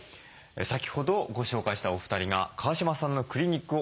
先ほどご紹介したお二人が川嶋さんのクリニックを訪れました。